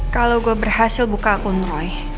kalau gue berhasil buka akun roy